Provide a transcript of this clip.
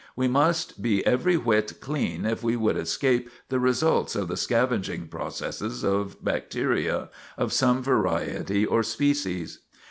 We must be every whit clean if we would escape the results of the scavenging processes of bacteria of some variety or species.